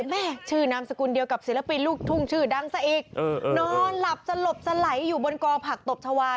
แม่ชื่อนามสกุลเดียวกับศิลปินลูกทุ่งชื่อดังซะอีกนอนหลับสลบสไหลอยู่บนกอผักตบชาวา